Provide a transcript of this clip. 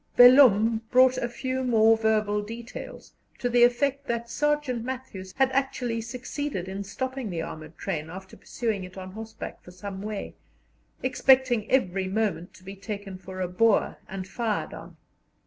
Vellum brought a few more verbal details, to the effect that Sergeant Matthews had actually succeeded in stopping the armoured train after pursuing it on horseback for some way, expecting every moment to be taken for a Boer and fired on.